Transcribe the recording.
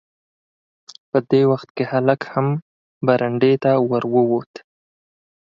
په دې وخت کې هلک هم برنډې ته ور ووت.